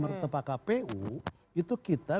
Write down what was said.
bertepak kpu itu kita